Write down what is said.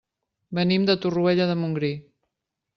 Venim de Torroella de Montgrí.